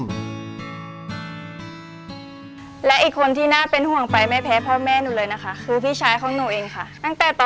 และอีกคนที่น่าเป็นห่วงไปไม่แพ้พ่อแม่หนูเลยนะคะคือพี่ชายของหนูเองค่ะตั้งแต่ตอน